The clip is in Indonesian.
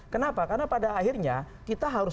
kenapa karena pada akhirnya kita harus